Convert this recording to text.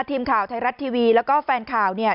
ทีมข่าวไทยรัฐทีวีแล้วก็แฟนข่าวเนี่ย